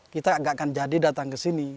kita agak akan jadi datang ke sini